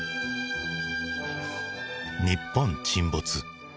「日本沈没」。